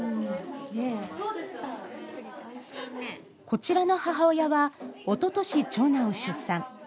こちらの母親はおととし長男を出産。